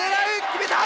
決めた！